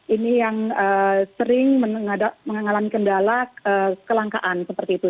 ini yang sering mengalami kendala kelangkaan seperti itu